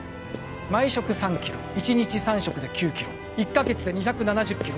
毎食３キロ１日３食で９キロ１カ月で２７０キロ